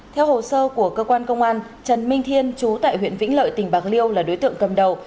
theo hồ sơ của cơ quan công an trần minh thiên chú tại huyện vĩnh lợi tỉnh bạc liêu là đối tượng cầm đầu